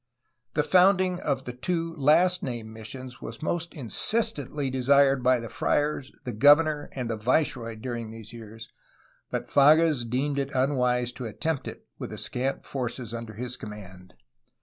The founding of the two last named missions was most insistently desired by the friars, the governor, and the viceroy during these years, but Fages deemed it unwise to attempt it with the scant forces under his command.